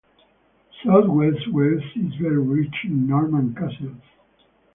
Southwest Wales is very rich in Norman Castles.